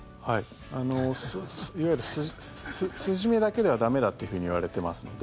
いわゆる酢締めだけでは駄目だといわれてますので。